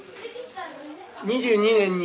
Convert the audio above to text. ２２年に。